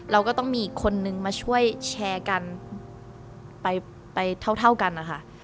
เราก็ต้องมีอีกคนนึงมาช่วยแชร์กันไปเท่ากันนะคะ